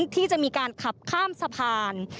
ที่จะมีการขับข้ามสะพาน